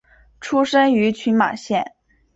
出身于群马县。